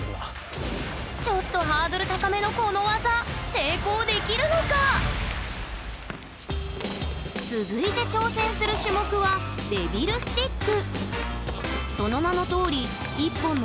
ちょっとハードル高めのこの技続いて挑戦する種目は「デビルスティック」。